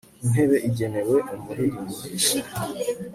intebe igenewe umuririmbisha